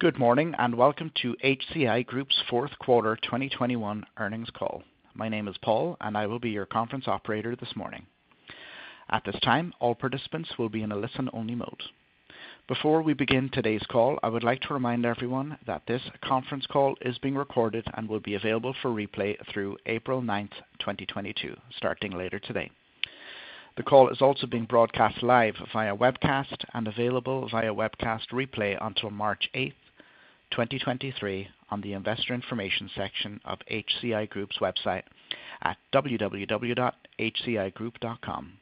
Good morning, and welcome to HCI Group's fourth quarter 2021 earnings call. My name is Paul, and I will be your conference operator this morning. At this time, all participants will be in a listen-only mode. Before we begin today's call, I would like to remind everyone that this conference call is being recorded and will be available for replay through April 9th, 2022, starting later today. The call is also being broadcast live via webcast and available via webcast replay until March 8th, 2023 on the investor information section of HCI Group's website at www.hcigroup.com.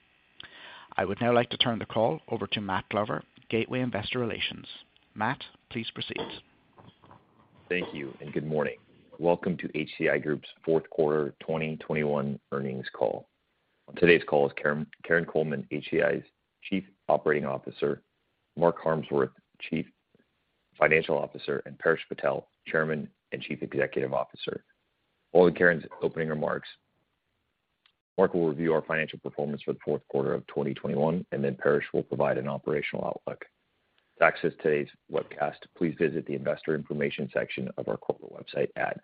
I would now like to turn the call over to Matt Glover, Gateway Investor Relations. Matt, please proceed. Thank you and good morning. Welcome to HCI Group's fourth quarter 2021 earnings call. On today's call is Karin Coleman, HCI's Chief Operating Officer, Mark Harmsworth, Chief Financial Officer, and Paresh Patel, Chairman and Chief Executive Officer. Following Karin's opening remarks, Mark will review our financial performance for the fourth quarter of 2021, and then Paresh will provide an operational outlook. To access today's webcast, please visit the investor information section of our corporate website at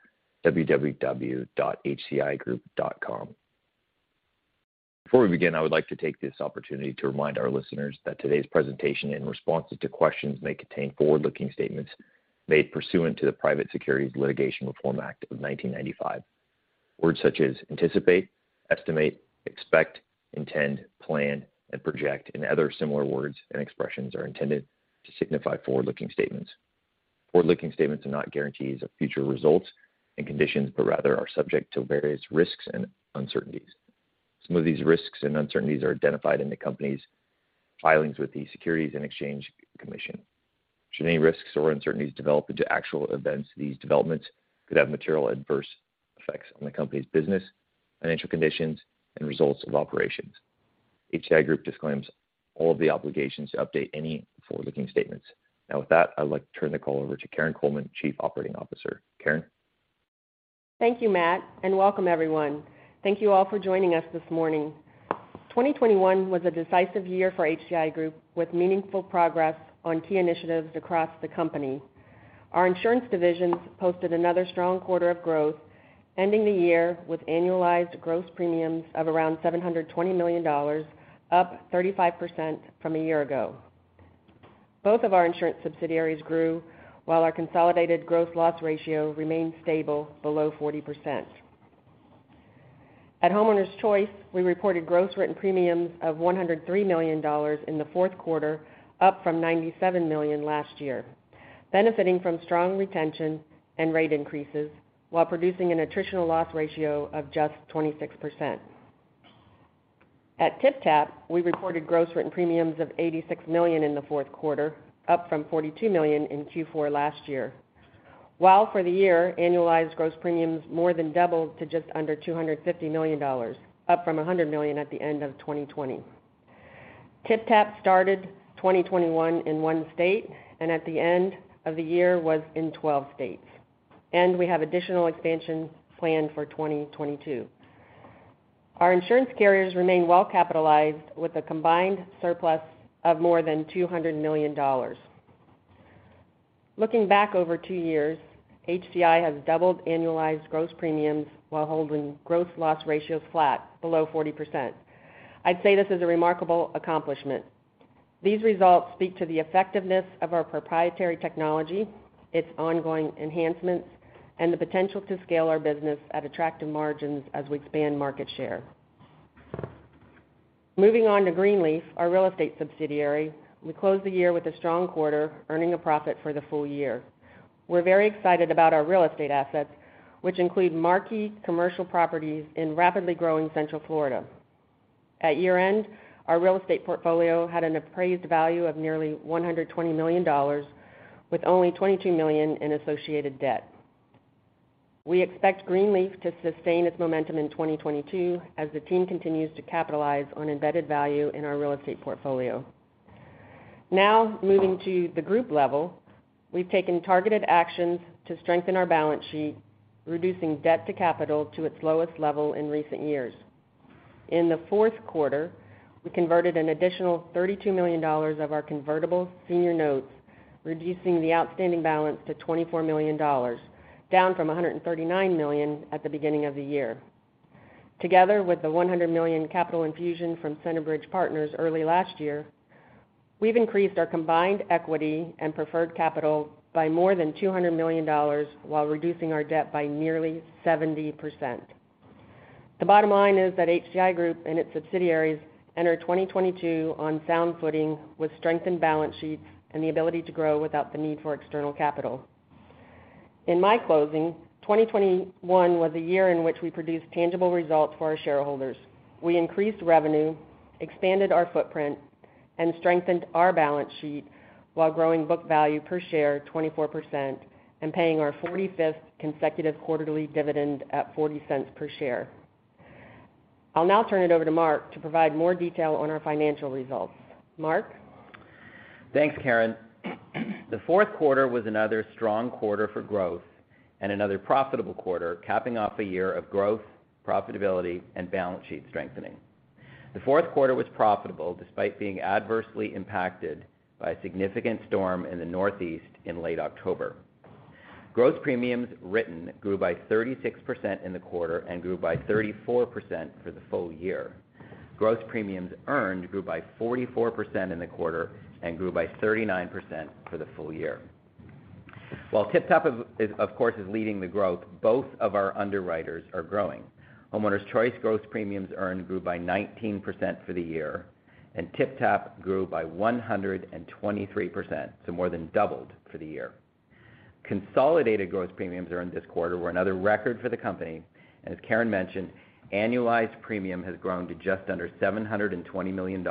www.hcigroup.com. Before we begin, I would like to take this opportunity to remind our listeners that today's presentation and responses to questions may contain forward-looking statements made pursuant to the Private Securities Litigation Reform Act of 1995. Words such as anticipate, estimate, expect, intend, plan, and project, and other similar words and expressions are intended to signify forward-looking statements. Forward-looking statements are not guarantees of future results and conditions, but rather are subject to various risks and uncertainties. Some of these risks and uncertainties are identified in the company's filings with the Securities and Exchange Commission. Should any risks or uncertainties develop into actual events, these developments could have material adverse effects on the company's business, financial conditions, and results of operations. HCI Group disclaims all of the obligations to update any forward-looking statements. Now, with that, I'd like to turn the call over to Karin Coleman, Chief Operating Officer. Karin? Thank you, Matt, and welcome everyone. Thank you all for joining us this morning. 2021 was a decisive year for HCI Group, with meaningful progress on key initiatives across the company. Our insurance divisions posted another strong quarter of growth, ending the year with annualized gross premiums of around $720 million, up 35% from a year ago. Both of our insurance subsidiaries grew, while our consolidated gross loss ratio remained stable below 40%. At Homeowners Choice, we reported gross written premiums of $103 million in the fourth quarter, up from $97 million last year, benefiting from strong retention and rate increases while producing an attritional loss ratio of just 26%. At TypTap, we reported gross written premiums of $86 million in the fourth quarter, up from $42 million in Q4 last year. While for the year, annualized gross premiums more than doubled to just under $250 million, up from $100 million at the end of 2020. TypTap started 2021 in one state and at the end of the year was in 12 states, and we have additional expansions planned for 2022. Our insurance carriers remain well-capitalized with a combined surplus of more than $200 million. Looking back over two years, HCI has doubled annualized gross premiums while holding gross loss ratios flat below 40%. I'd say this is a remarkable accomplishment. These results speak to the effectiveness of our proprietary technology, its ongoing enhancements, and the potential to scale our business at attractive margins as we expand market share. Moving on to Greenleaf, our real estate subsidiary, we closed the year with a strong quarter, earning a profit for the full year. We're very excited about our real estate assets, which include marquee commercial properties in rapidly growing central Florida. At year-end, our real estate portfolio had an appraised value of nearly $120 million with only $22 million in associated debt. We expect Greenleaf to sustain its momentum in 2022 as the team continues to capitalize on embedded value in our real estate portfolio. Now, moving to the group level, we've taken targeted actions to strengthen our balance sheet, reducing debt to capital to its lowest level in recent years. In the fourth quarter, we converted an additional $32 million of our convertible senior notes, reducing the outstanding balance to $24 million, down from $139 million at the beginning of the year. Together with the $100 million capital infusion from Centerbridge Partners early last year, we've increased our combined equity and preferred capital by more than $200 million while reducing our debt by nearly 70%. The bottom line is that HCI Group and its subsidiaries enter 2022 on sound footing with strengthened balance sheets and the ability to grow without the need for external capital. In my closing, 2021 was a year in which we produced tangible results for our shareholders. We increased revenue, expanded our footprint, and strengthened our balance sheet while growing book value per share 24% and paying our 45th consecutive quarterly dividend at $0.40 per share. I'll now turn it over to Mark to provide more detail on our financial results. Mark? Thanks, Karin. The fourth quarter was another strong quarter for growth and another profitable quarter, capping off a year of growth, profitability, and balance sheet strengthening. The fourth quarter was profitable despite being adversely impacted by a significant storm in the Northeast in late October. Gross premiums written grew by 36% in the quarter and grew by 34% for the full year. Gross premiums earned grew by 44% in the quarter and grew by 39% for the full year. While TypTap is, of course, leading the growth, both of our underwriters are growing. Homeowners Choice gross premiums earned grew by 19% for the year, and TypTap grew by 123%, so more than doubled for the year. Consolidated gross premiums earned this quarter were another record for the company, and as Karin mentioned, annualized premium has grown to just under $720 million,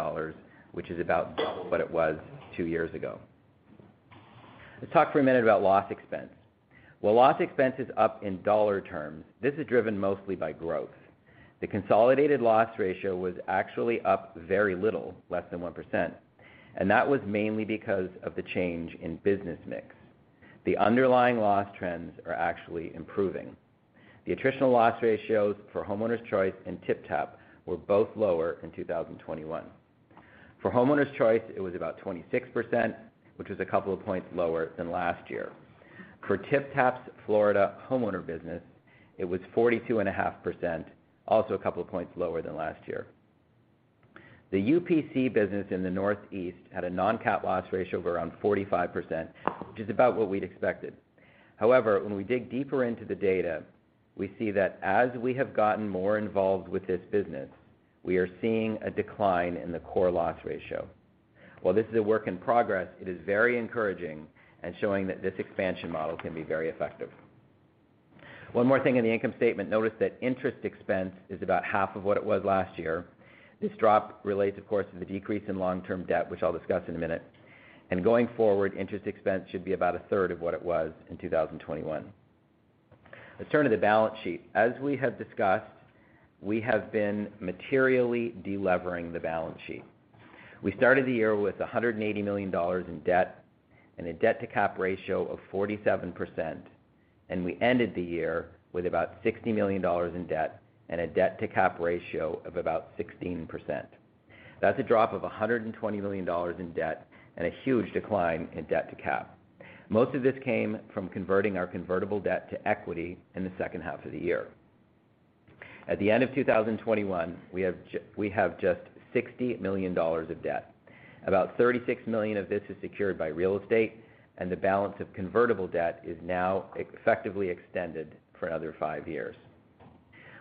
which is about double what it was two years ago. Let's talk for a minute about loss expense. While loss expense is up in dollar terms, this is driven mostly by growth. The consolidated loss ratio was actually up very little, less than 1%, and that was mainly because of the change in business mix. The underlying loss trends are actually improving. The attritional loss ratios for Homeowners Choice and TypTap were both lower in 2021. For Homeowners Choice, it was about 26%, which was a couple of points lower than last year. For TypTap's Florida homeowner business, it was 42.5%, also a couple of points lower than last year. The UPC business in the Northeast had a non-cat loss ratio of around 45%, which is about what we'd expected. However, when we dig deeper into the data, we see that as we have gotten more involved with this business, we are seeing a decline in the core loss ratio. While this is a work in progress, it is very encouraging and showing that this expansion model can be very effective. One more thing in the income statement. Notice that interest expense is about half of what it was last year. This drop relates, of course, to the decrease in long-term debt, which I'll discuss in a minute. Going forward, interest expense should be about a third of what it was in 2021. Let's turn to the balance sheet. As we have discussed, we have been materially deleveraging the balance sheet. We started the year with $180 million in debt and a debt-to-cap ratio of 47%, and we ended the year with about $60 million in debt and a debt-to-cap ratio of about 16%. That's a drop of $120 million in debt and a huge decline in debt to cap. Most of this came from converting our convertible debt to equity in the second half of the year. At the end of 2021, we have just $60 million of debt. About $36 million of this is secured by real estate, and the balance of convertible debt is now effectively extended for another five years.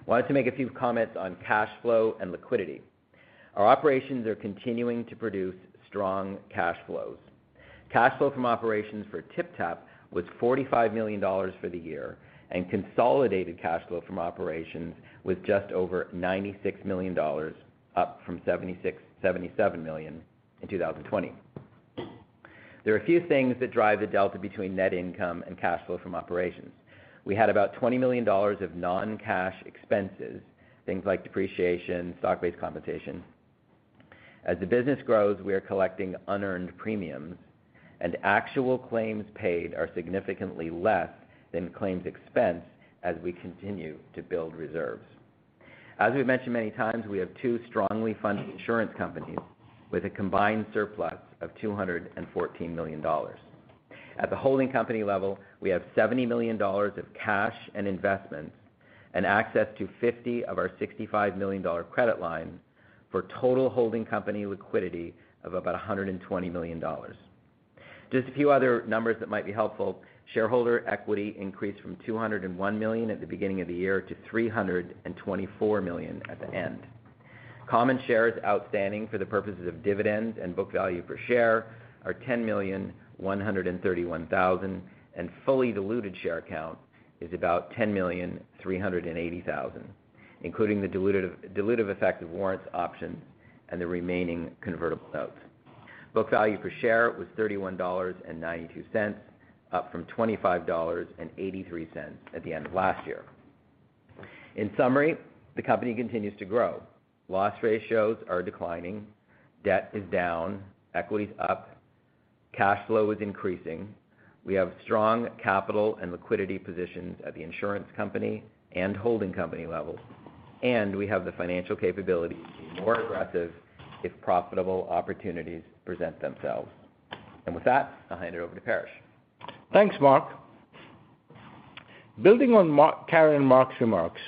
Wanted to make a few comments on cash flow and liquidity. Our operations are continuing to produce strong cash flows. Cash flow from operations for TypTap was $45 million for the year, and consolidated cash flow from operations was just over $96 million, up from $76 million-$77 million in 2020. There are a few things that drive the delta between net income and cash flow from operations. We had about $20 million of non-cash expenses, things like depreciation, stock-based compensation. As the business grows, we are collecting unearned premiums, and actual claims paid are significantly less than claims expense as we continue to build reserves. As we've mentioned many times, we have two strongly funded insurance companies with a combined surplus of $214 million. At the holding company level, we have $70 million of cash and investments and access to $50 million of our $65 million credit line for total holding company liquidity of about $120 million. Just a few other numbers that might be helpful. Shareholder equity increased from $201 million at the beginning of the year to $324 million at the end. Common shares outstanding for the purposes of dividends and book value per share are 10,131,000, and fully diluted share count is about 10,380,000, including the dilutive effect of warrants options and the remaining convertible notes. Book value per share was $31.92, up from $25.83 at the end of last year. In summary, the company continues to grow. Loss ratios are declining. Debt is down. Equity is up. Cash flow is increasing. We have strong capital and liquidity positions at the insurance company and holding company levels, and we have the financial capability to be more aggressive if profitable opportunities present themselves. With that, I'll hand it over to Paresh. Thanks, Mark. Building on Karen and Mark's remarks,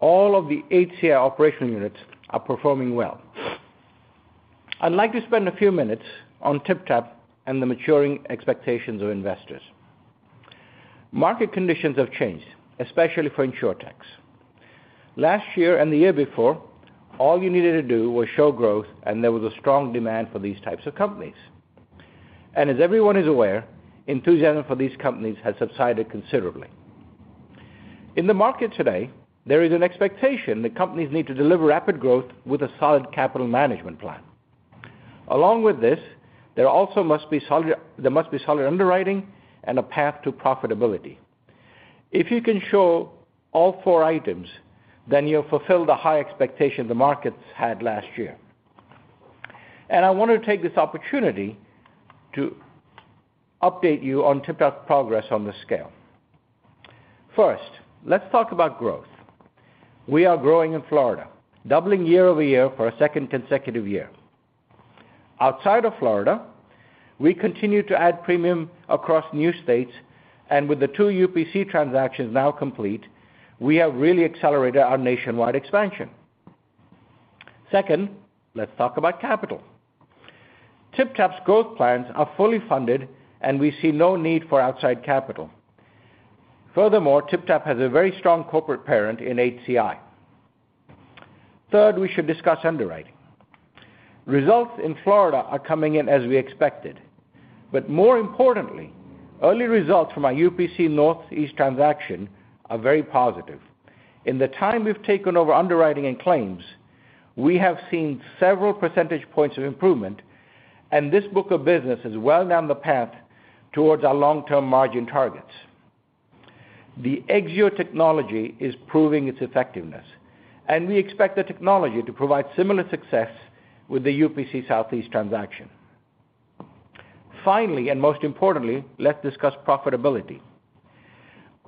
all of the HCI operational units are performing well. I'd like to spend a few minutes on TypTap and the maturing expectations of investors. Market conditions have changed, especially for InsurTechs. Last year and the year before, all you needed to do was show growth, and there was a strong demand for these types of companies. As everyone is aware, enthusiasm for these companies has subsided considerably. In the market today, there is an expectation that companies need to deliver rapid growth with a solid capital management plan. Along with this, there also must be solid underwriting and a path to profitability. If you can show all four items, then you'll fulfill the high expectation the markets had last year. I want to take this opportunity to update you on TypTap's progress on this scale. First, let's talk about growth. We are growing in Florida, doubling year-over-year for a second consecutive year. Outside of Florida, we continue to add premium across new states, and with the two UPC transactions now complete, we have really accelerated our nationwide expansion. Second, let's talk about capital. TypTap's growth plans are fully funded, and we see no need for outside capital. Furthermore, TypTap has a very strong corporate parent in HCI. Third, we should discuss underwriting. Results in Florida are coming in as we expected. More importantly, early results from our UPC Northeast transaction are very positive. In the time we've taken over underwriting and claims, we have seen several percentage points of improvement, and this book of business is well down the path towards our long-term margin targets. The Exzeo technology is proving its effectiveness, and we expect the technology to provide similar success with the UPC Southeast transaction. Finally, and most importantly, let's discuss profitability.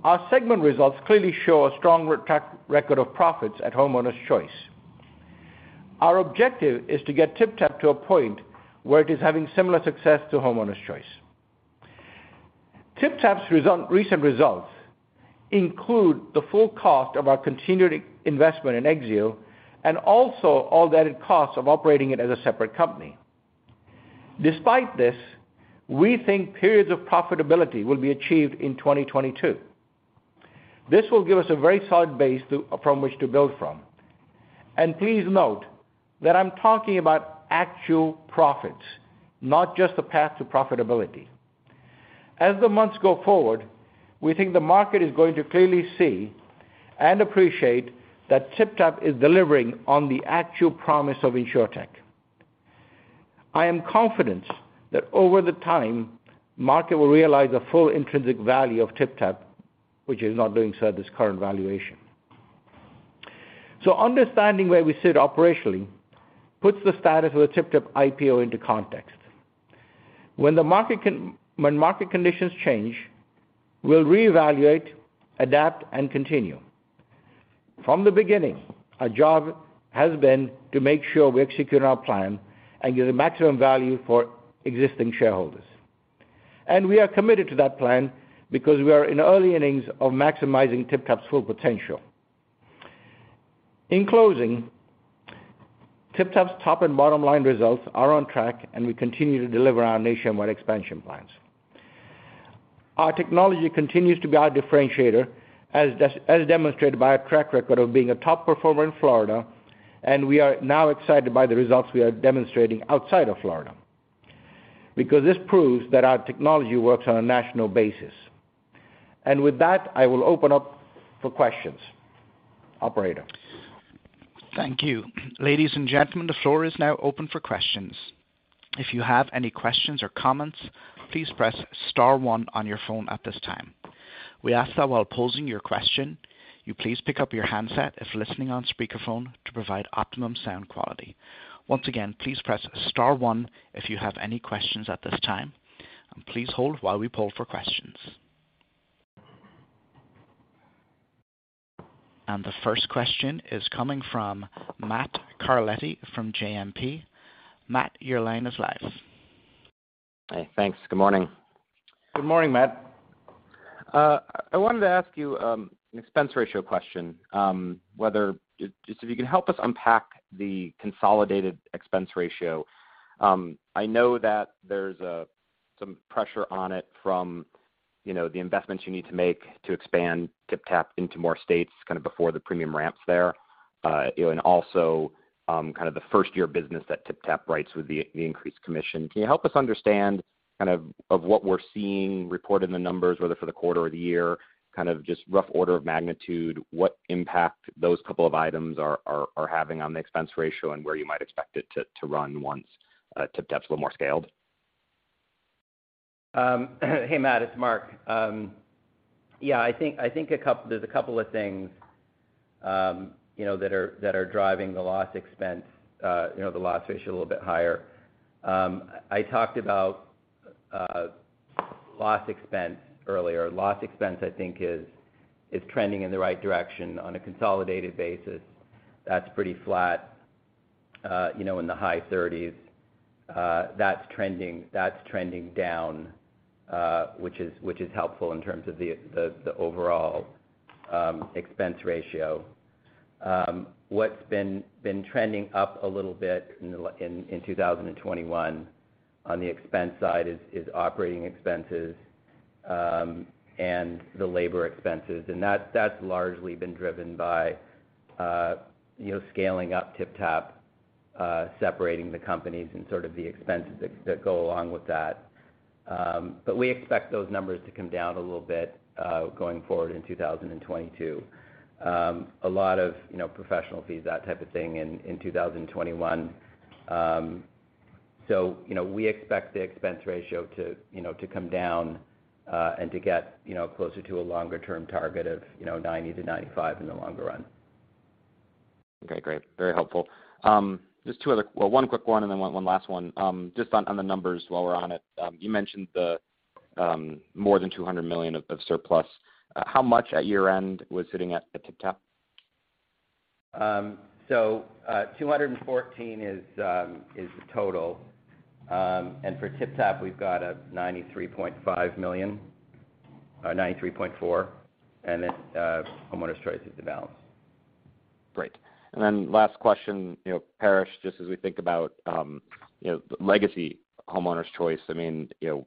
Our segment results clearly show a strong track record of profits at Homeowners Choice. Our objective is to get TypTap to a point where it is having similar success to Homeowners Choice. TypTap's recent results include the full cost of our continued investment in Exzeo and also all added costs of operating it as a separate company. Despite this, we think periods of profitability will be achieved in 2022. This will give us a very solid base to, from which to build from. Please note that I'm talking about actual profits, not just the path to profitability. As the months go forward, we think the market is going to clearly see and appreciate that TypTap is delivering on the actual promise of InsurTech. I am confident that over the time, market will realize the full intrinsic value of TypTap, which is not doing so at this current valuation. Understanding where we sit operationally puts the status of the TypTap IPO into context. When market conditions change, we'll reevaluate, adapt, and continue. From the beginning, our job has been to make sure we execute our plan and get a maximum value for existing shareholders. We are committed to that plan because we are in early innings of maximizing TypTap's full potential. In closing, TypTap's top and bottom line results are on track, and we continue to deliver our nationwide expansion plans. Our technology continues to be our differentiator, as demonstrated by our track record of being a top performer in Florida, and we are now excited by the results we are demonstrating outside of Florida because this proves that our technology works on a national basis. With that, I will open up for questions. Operator? Thank you. Ladies and gentlemen, the floor is now open for questions. If you have any questions or comments, please press star one on your phone at this time. We ask that while posing your question, you please pick up your handset if listening on speakerphone to provide optimum sound quality. Once again, please press star one if you have any questions at this time, and please hold while we poll for questions. The first question is coming from Matt Carletti from JMP Securities. Matt, your line is live. Hey, thanks. Good morning. Good morning, Matt. I wanted to ask you, an expense ratio question, just if you could help us unpack the consolidated expense ratio. I know that there's some pressure on it from, you know, the investments you need to make to expand TypTap into more states kind of before the premium ramps there, you know, and also, kind of the first year of business that TypTap writes with the increased commission. Can you help us understand kind of what we're seeing reported in the numbers, whether for the quarter or the year, kind of just rough order of magnitude, what impact those couple of items are having on the expense ratio and where you might expect it to run once TypTap's a little more scaled? Hey, Matt, it's Mark. Yeah, I think there's a couple of things, you know, that are driving the loss expense, you know, the loss ratio a little bit higher. I talked about loss expense earlier. Loss expense I think is trending in the right direction on a consolidated basis. That's pretty flat, you know, in the high thirties. That's trending down, which is helpful in terms of the overall expense ratio. What's been trending up a little bit in 2021 on the expense side is operating expenses and the labor expenses. That's largely been driven by you know scaling up TypTap separating the companies and sort of the expenses that go along with that. We expect those numbers to come down a little bit going forward in 2022. A lot of you know professional fees that type of thing in 2021. We expect the expense ratio to come down and to get closer to a longer-term target of 90%-95% in the longer run. Okay, great. Very helpful. One quick one and then one last one. Just on the numbers while we're on it. You mentioned the more than $200 million of surplus. How much at year-end was sitting at TypTap? $214 million is the total. For TypTap, we've got a $93.5 million or $93.4 million, and then Homeowners Choice is the balance. Great. Then last question. You know, Paresh, just as we think about, you know, legacy Homeowners Choice, I mean, you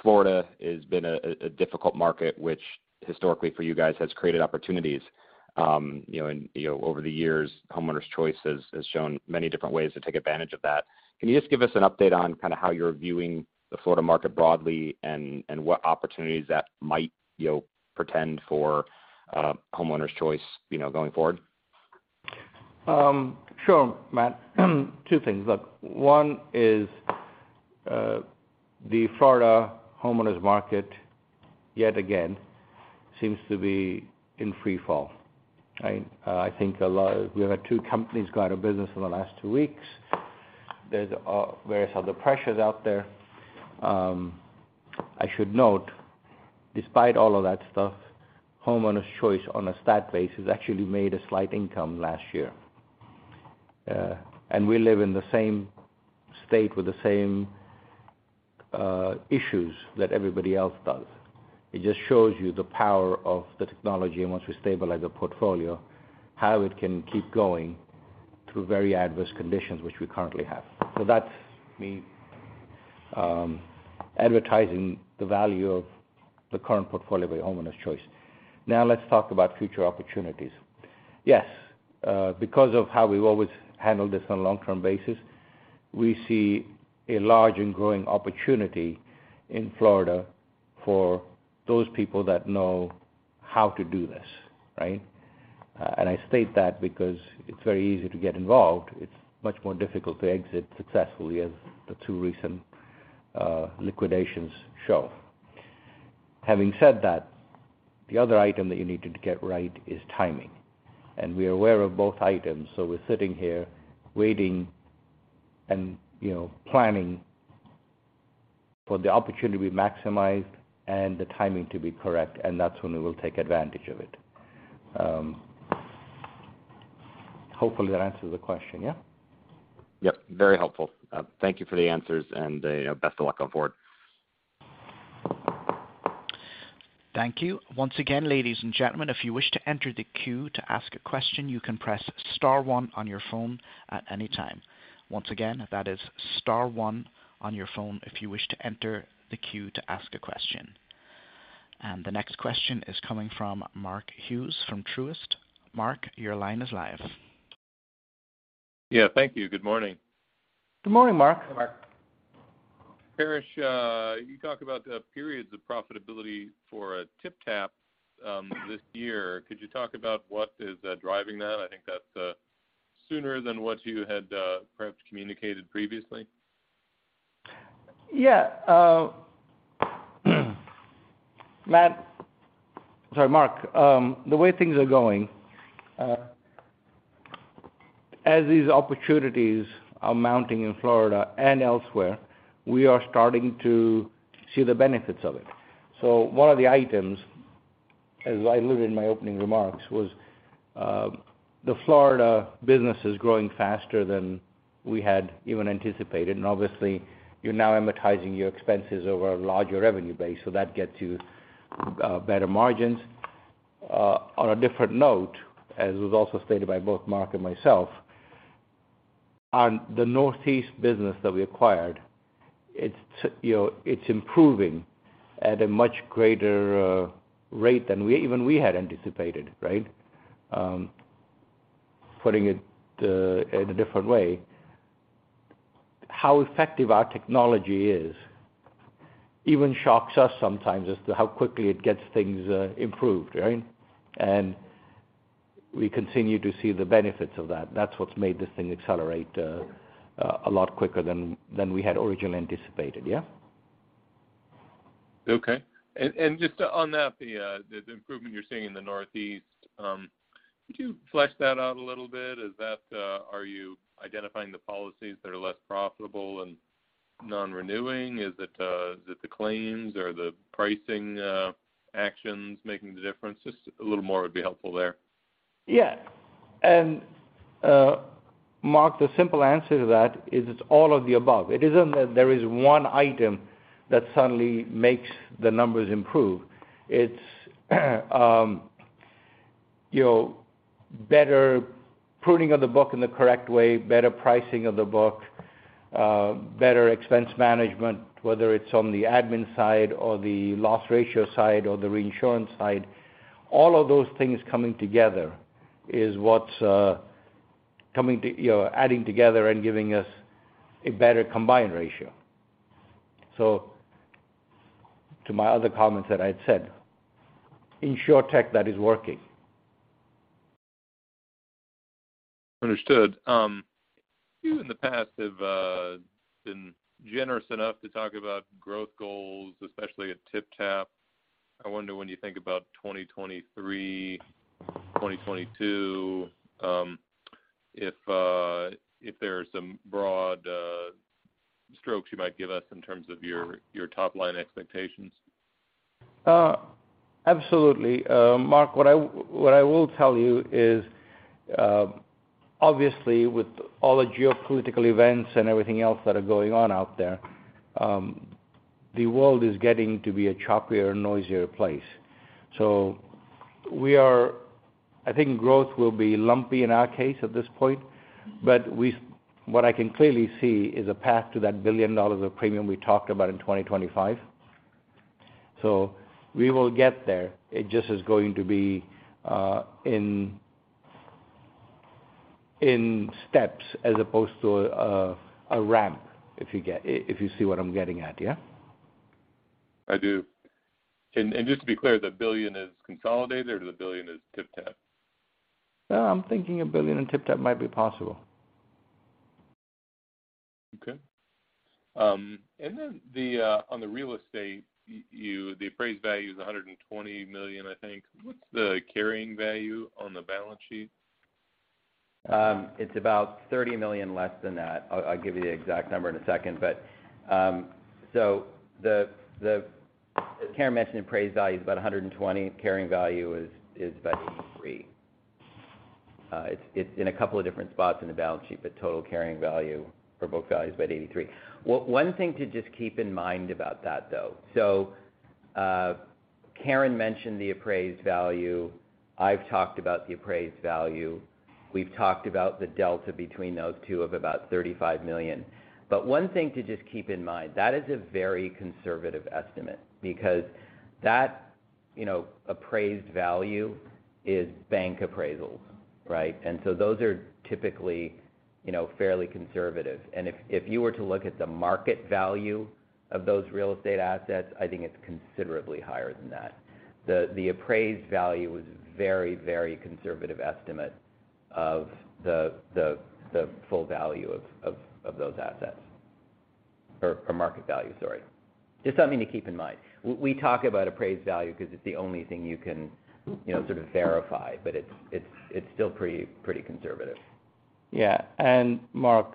know, Florida has been a difficult market which historically for you guys has created opportunities. You know, and, you know, over the years, Homeowners Choice has shown many different ways to take advantage of that. Can you just give us an update on kinda how you're viewing the Florida market broadly and what opportunities that might, you know, portend for, Homeowners Choice, you know, going forward? Sure, Matt. Two things. Look, one is, the Florida homeowners market yet again seems to be in free fall, right? I think a lot. We've had two companies go out of business in the last two weeks. There's various other pressures out there. I should note, despite all of that stuff, Homeowners Choice on a stat basis actually made a slight income last year. We live in the same state with the same issues that everybody else does. It just shows you the power of the technology and once we stabilize the portfolio, how it can keep going through very adverse conditions, which we currently have. That's me advertising the value of the current portfolio by Homeowners Choice. Now, let's talk about future opportunities. Yes, because of how we've always handled this on a long-term basis, we see a large and growing opportunity in Florida for those people that know how to do this, right? I state that because it's very easy to get involved. It's much more difficult to exit successfully, as the two recent liquidations show. Having said that, the other item that you need to get right is timing, and we are aware of both items. We're sitting here waiting and, you know, planning for the opportunity to be maximized and the timing to be correct, and that's when we will take advantage of it. Hopefully that answers the question, yeah? Yep, very helpful. Thank you for the answers and best of luck going forward. Thank you. Once again, ladies and gentlemen, if you wish to enter the queue to ask a question, you can press star one on your phone at any time. Once again, that is star one on your phone if you wish to enter the queue to ask a question. The next question is coming from Mark Hughes from Truist. Mark, your line is live. Yeah, thank you. Good morning. Good morning, Mark. Hey, Mark. Paresh, you talk about periods of profitability for TypTap this year. Could you talk about what is driving that? I think that's sooner than what you had perhaps communicated previously. Yeah. Sorry, Mark. The way things are going, as these opportunities are mounting in Florida and elsewhere, we are starting to see the benefits of it. One of the items, as I alluded in my opening remarks, was the Florida business is growing faster than we had even anticipated. Obviously, you are now amortizing your expenses over a larger revenue base, so that gets you better margins. On a different note, as was also stated by both Mark and myself, on the Northeast business that we acquired, it is, you know, improving at a much greater rate than even we had anticipated, right? Putting it in a different way, how effective our technology is even shocks us sometimes as to how quickly it gets things improved, right? We continue to see the benefits of that. That's what's made this thing accelerate a lot quicker than we had originally anticipated. Yeah. Okay. Just on that, the improvement you're seeing in the Northeast, could you flesh that out a little bit? Is that, are you identifying the policies that are less profitable and non-renewing? Is it the claims or the pricing actions making the difference? Just a little more would be helpful there. Yeah. Mark, the simple answer to that is it's all of the above. It isn't that there is one item that suddenly makes the numbers improve. It's you know, better pruning of the book in the correct way, better pricing of the book, better expense management, whether it's on the admin side or the loss ratio side or the reinsurance side. All of those things coming together is what's you know, adding together and giving us a better combined ratio. To my other comments that I'd said, InsurTech, that is working. Understood. You in the past have been generous enough to talk about growth goals, especially at TypTap. I wonder when you think about 2023, 2022, if there are some broad strokes you might give us in terms of your top line expectations. Absolutely. Mark, what I will tell you is, obviously with all the geopolitical events and everything else that are going on out there, the world is getting to be a choppier, noisier place. I think growth will be lumpy in our case at this point, but what I can clearly see is a path to that $1 billion of premium we talked about in 2025. We will get there. It just is going to be in steps as opposed to a ramp, if you get, if you see what I'm getting at, yeah? I do. Just to be clear, the $1 billion is consolidated or the $1 billion is TypTap? No, I'm thinking $1 billion in TypTap might be possible. Okay. On the real estate, you, the appraised value is $120 million, I think. What's the carrying value on the balance sheet? It's about $30 million less than that. I'll give you the exact number in a second. As Karin mentioned, appraised value is about $120 million. Carrying value is about $83 million. It's in a couple of different spots in the balance sheet, but total carrying value for book value is about $83 million. One thing to just keep in mind about that, though. Karin mentioned the appraised value. I've talked about the appraised value. We've talked about the delta between those two of about $35 million. One thing to just keep in mind, that is a very conservative estimate because that, you know, appraised value is bank appraisals, right? Those are typically, you know, fairly conservative. If you were to look at the market value of those real estate assets, I think it's considerably higher than that. The appraised value is a very conservative estimate of the full value of those assets. Or market value, sorry. Just something to keep in mind. We talk about appraised value because it's the only thing you can, you know, sort of verify, but it's still pretty conservative. Yeah. Mark,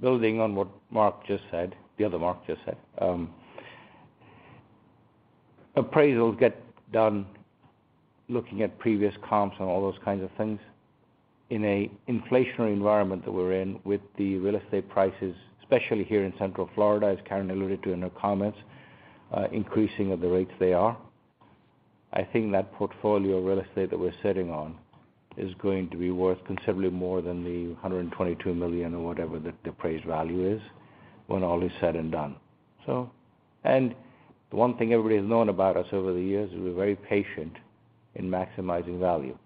building on what Mark just said, the other Mark just said, appraisals get done looking at previous comps and all those kinds of things. In a inflationary environment that we're in with the real estate prices, especially here in Central Florida, as Karen alluded to in her comments, increasing at the rates they are, I think that portfolio of real estate that we're sitting on is going to be worth considerably more than the $122 million or whatever the appraised value is when all is said and done. The one thing everybody's known about us over the years is we're very patient in maximizing value.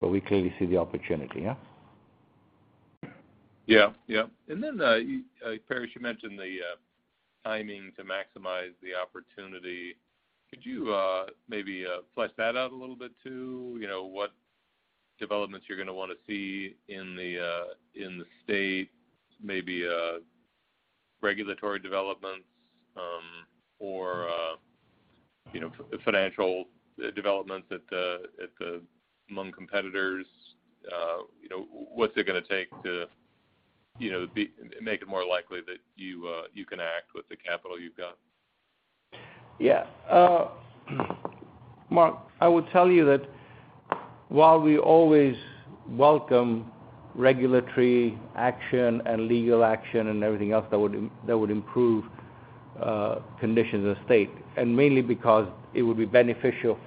We clearly see the opportunity, yeah? Yeah. You, Paresh, mentioned the timing to maximize the opportunity. Could you maybe flesh that out a little bit too? You know, what developments you're gonna wanna see in the state, maybe regulatory developments, or you know, financial developments among competitors. You know, what's it gonna take to make it more likely that you can act with the capital you've got? Yeah. Mark, I would tell you that while we always welcome regulatory action and legal action and everything else that would improve conditions of the state, and mainly because it would be beneficial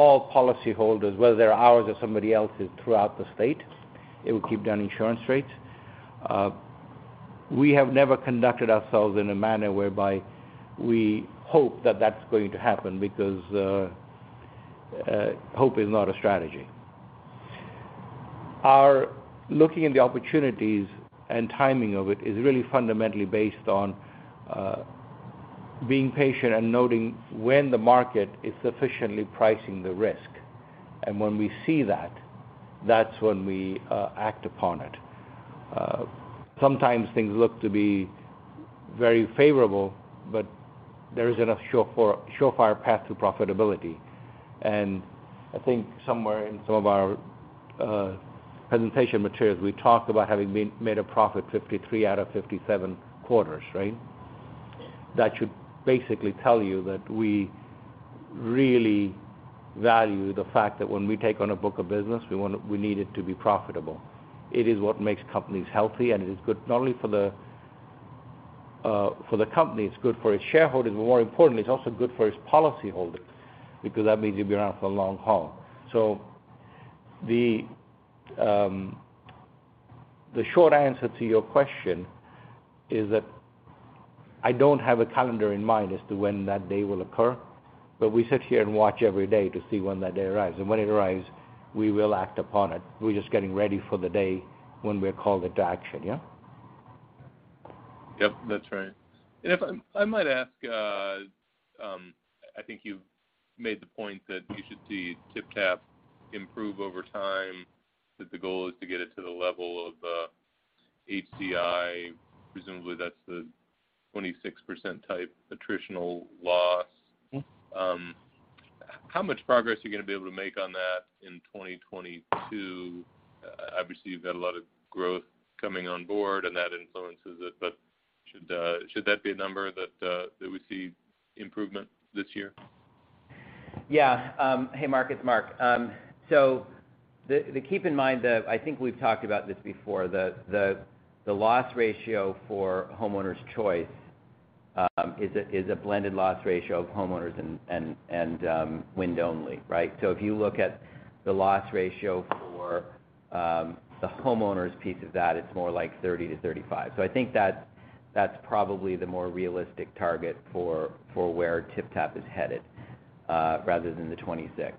for all policyholders, whether they're ours or somebody else's throughout the state, it would keep down insurance rates. We have never conducted ourselves in a manner whereby we hope that that's going to happen because hope is not a strategy. Our looking at the opportunities and timing of it is really fundamentally based on being patient and noting when the market is sufficiently pricing the risk. When we see that's when we act upon it. Sometimes things look to be very favorable, but there isn't a surefire path to profitability. I think somewhere in some of our presentation materials, we talk about having made a profit 53 quarters out of 57 quarters, right? That should basically tell you that we really value the fact that when we take on a book of business, we want it, we need it to be profitable. It is what makes companies healthy, and it is good not only for the company, it's good for its shareholders, but more importantly, it's also good for its policyholders because that means you'll be around for the long haul. The short answer to your question is that I don't have a calendar in mind as to when that day will occur, but we sit here and watch every day to see when that day arrives. When it arrives, we will act upon it. We're just getting ready for the day when we're called into action, yeah? Yep, that's right. If I might ask, I think you've made the point that you should see TypTap improve over time, that the goal is to get it to the level of HCI. Presumably, that's the 26% type attritional loss. Mm-hmm. How much progress are you gonna be able to make on that in 2022? Obviously, you've got a lot of growth coming on board, and that influences it. Should that be a number that we see improvement this year? Yeah. Hey, Mark, it's Mark. Keep in mind, I think we've talked about this before, the loss ratio for Homeowners Choice is a blended loss ratio of homeowners and wind only, right? If you look at the loss ratio for the homeowners piece of that, it's more like 30%-35%. I think that's probably the more realistic target for where TypTap is headed rather than the 26%.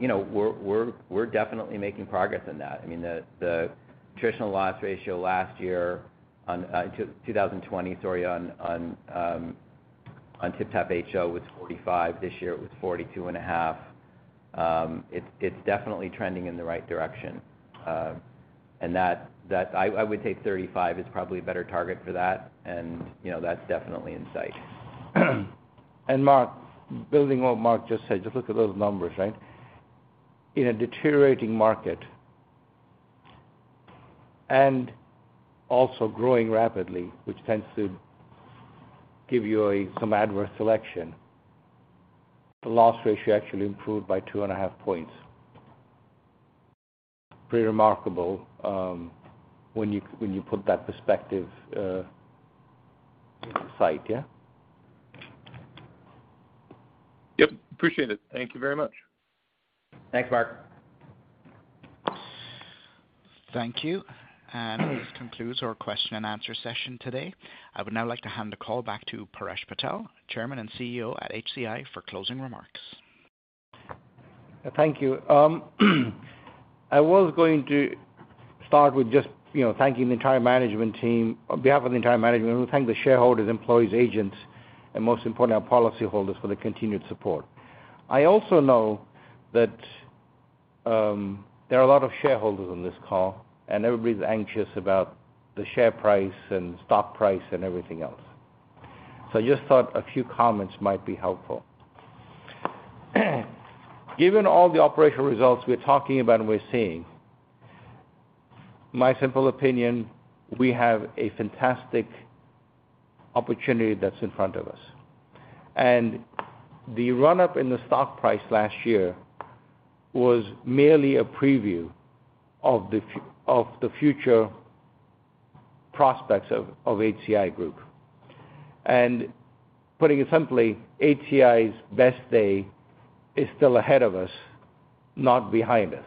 You know, we're definitely making progress in that. I mean, the attritional loss ratio last year on 2020, sorry, on TypTap HO was 45%. This year it was 42.5%. It's definitely trending in the right direction. I would say 35 is probably a better target for that, you know, that's definitely in sight. Mark, building on what Mark just said, just look at those numbers, right? In a deteriorating market and also growing rapidly, which tends to give you some adverse selection, the loss ratio actually improved by 2.5 points. Pretty remarkable when you put that into perspective, yeah. Yep, appreciate it. Thank you very much. Thanks, Mark. Thank you. This concludes our question and answer session today. I would now like to hand the call back to Paresh Patel, Chairman and Chief Executive Officer at HCI Group, for closing remarks. Thank you. I was going to start with just, you know, thanking the entire management team. On behalf of the entire management, we thank the shareholders, employees, agents, and most importantly, our policyholders for their continued support. I also know that there are a lot of shareholders on this call, and everybody's anxious about the share price and stock price and everything else. So I just thought a few comments might be helpful. Given all the operational results we're talking about and we're seeing, my simple opinion, we have a fantastic opportunity that's in front of us. The run-up in the stock price last year was merely a preview of the future prospects of HCI Group. Putting it simply, HCI's best day is still ahead of us, not behind us.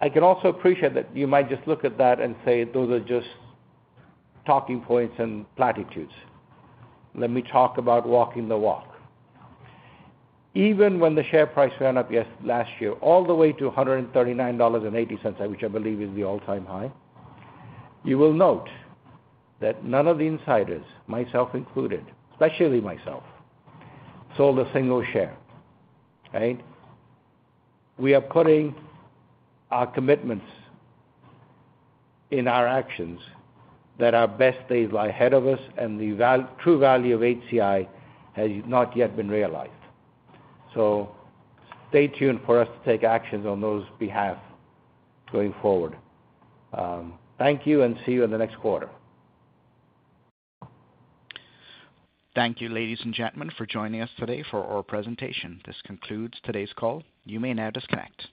I can also appreciate that you might just look at that and say, "Those are just talking points and platitudes." Let me talk about walking the walk. Even when the share price went up last year, all the way to $139.80, which I believe is the all-time high, you will note that none of the insiders, myself included, especially myself, sold a single share. Right? We are putting our commitments in our actions that our best days lie ahead of us and the true value of HCI Group has not yet been realized. Stay tuned for us to take actions on those behalf going forward. Thank you, and see you in the next quarter. Thank you, ladies and gentlemen, for joining us today for our presentation. This concludes today's call. You may now disconnect.